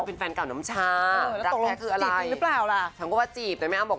เห็นตอนนี้ข่าวครับพี่แจ๊ควรแจ็ค